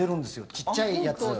小っちゃいやつ。